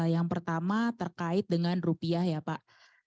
yang pertama terkait dengan rupiah ya pak